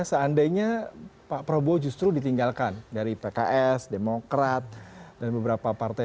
seandainya pak prabowo justru ditinggalkan dari pks demokrat dan beberapa partai